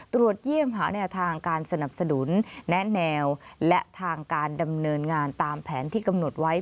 ตรวจเยี่ยมหาแนวทางการสนับสนุนแนะแนวและทางการดำเนินงานตามแผนที่กำหนดไว้